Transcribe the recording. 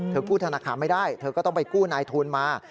กู้ธนาคารไม่ได้เธอก็ต้องไปกู้นายทุนมา